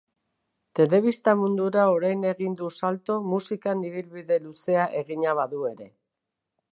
Telebista mundura orain egin du salto musikan ibilbide luzea egina badu ere.